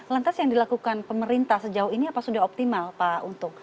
lantas yang dilakukan pemerintah sejauh ini apa sudah optimal pak untung